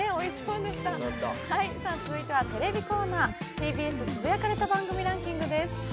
続いては、テレビコーナー、ＴＢＳ「つぶやかれた番組ランキング」です。